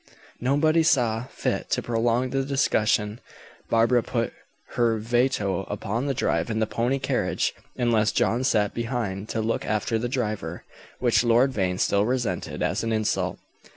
Nobody saw fit to prolong the discussion. Barbara put her veto upon the drive in the pony carriage unless John sat behind to look after the driver, which Lord Vane still resented as an insult.